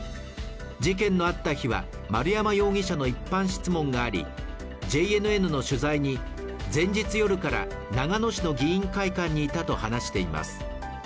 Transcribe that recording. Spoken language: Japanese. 事件のあった日は丸山容疑者の一般質問がありＪＮＮの取材に、前日夜から長野市の議員会館にいたと話しています。